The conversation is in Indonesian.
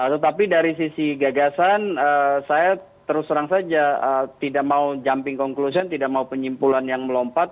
tetapi dari sisi gagasan saya terus terang saja tidak mau jumping conclusion tidak mau penyimpulan yang melompat